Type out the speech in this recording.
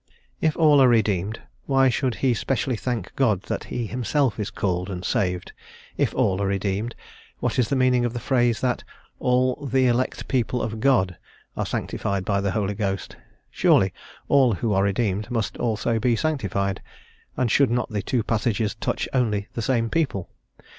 if all are redeemed, why should he specially thank God that he himself is called and saved? if all are redeemed, what is the meaning of the phrase that "all the elect people of God" are sanctified by the Holy Ghost? Surely all who are redeemed must also be sanctified, and should not the two passages touch only the same people?